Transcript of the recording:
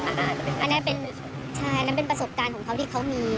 พานักเรียนไปตลอดอันนั้นเป็นใช่นั่นเป็นประสบการณ์ของเขาที่เขามี